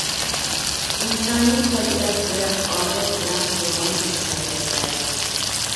ئىنسانىي تەبىئەت ۋە ئادەت بىلەن قىلغان ئىش-ھەرىكەتلەر.